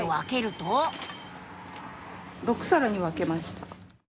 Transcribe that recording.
・６さらに分けました。